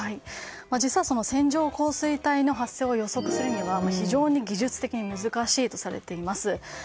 実は、線状降水帯の発生を予測するには非常に技術的に難しいとされています。